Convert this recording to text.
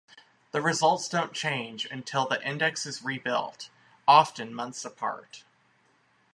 The results don't change until the index is rebuilt, often months apart.